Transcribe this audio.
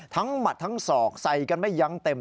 หมัดทั้งศอกใส่กันไม่ยั้งเต็ม